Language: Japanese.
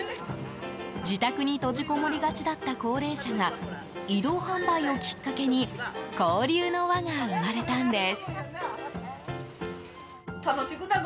自宅に閉じこもりがちだった高齢者が移動販売をきっかけに交流の輪が生まれたんです。